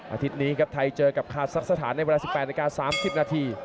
อาทิตย์นี้ครับไทยเจอกับคาซักสถานในเวลา๑๘นาที๓๐นาที